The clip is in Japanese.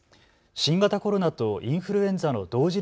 新型コロナとインフルエンザの同時